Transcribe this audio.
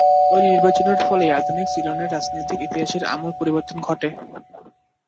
ঐ নির্বাচনের ফলেই আধুনিক সিলনের রাজনৈতিক ইতিহাসের আমূল পরিবর্তন ঘটে।